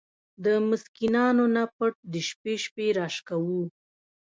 د مسکينانو نه پټ د شپې شپې را شکوو!!.